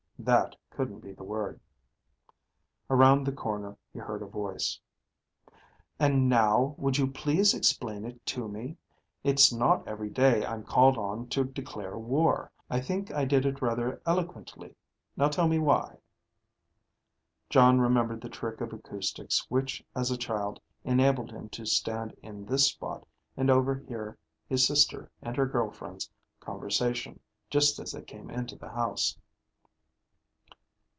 That couldn't be the word. Around the corner he heard a voice. "And now would you please explain it to me? It's not every day that I'm called on to declare war. I think I did it rather eloquently. Now tell my why." (Jon remembered the trick of acoustics which as a child enabled him to stand in this spot and overhear his sister and her girlfriends' conversation just as they came into the house.)